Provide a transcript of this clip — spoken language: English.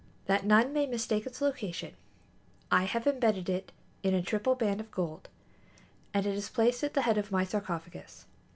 That none may mistake its location, I have embedded it in a triple band of gold, and it is placed at the head of my sarcophagus.